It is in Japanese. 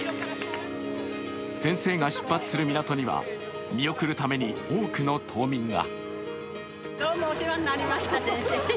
先生が出発する港には、見送るために多くの島民が。